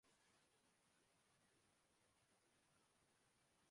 یہاں ایسا ممکن نہیں۔